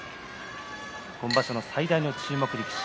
今場所の最大の注目力士。